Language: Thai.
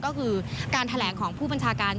ก็คือการแถลงของผู้บัญชาการ